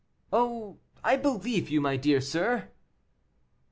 "Oh, I believe you, my dear sir."